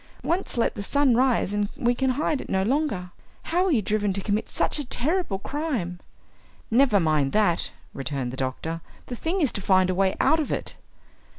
Once let the sun rise and we can hide it no longer! How were you driven to commit such a terrible crime?" "Never mind that," returned the doctor, "the thing is to find a way out of it."